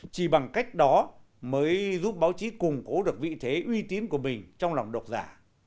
chỉ bằng cách đó mới giúp báo chí củng cố được vị thế uy tín của mình trong lòng độc giả